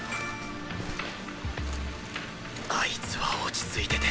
あいつは落ち着いてて。